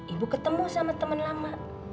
ibu ketemu sama teman lama